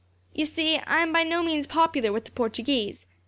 You see, I am by no means popular with the Portuguese.